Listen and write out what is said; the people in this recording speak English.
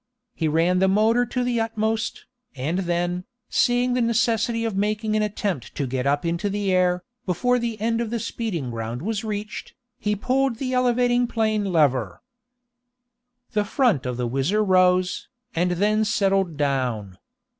He ran the motor to the utmost, and then, seeing the necessity of making an attempt to get up into the air, before the end of the speeding ground was reached, he pulled the elevating plane lever. The front of the WHIZZER rose, and then settled down.